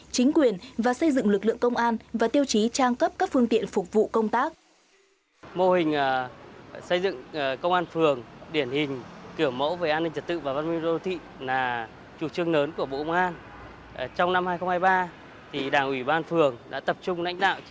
chính quyền và xây dựng lực lượng công an và tiêu chí trang cấp các phương tiện phục vụ công tác